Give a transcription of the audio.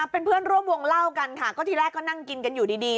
เป็นเพื่อนร่วมวงเล่ากันค่ะก็ทีแรกก็นั่งกินกันอยู่ดี